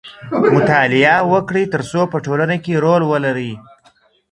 مطالعه وکړئ ترڅو په ټولنه کي رول ولرئ.